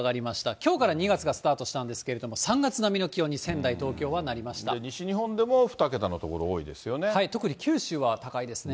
きょうから２月がスタートしたんですけども、３月並みの気温に、西日本でも２桁の所が多いで特に九州は高いですね。